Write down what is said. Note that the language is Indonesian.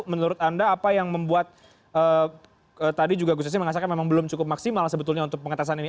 menurut anda apa yang membuat tadi juga gus ya mengatakan memang belum cukup maksimal sebetulnya untuk pengetesan ini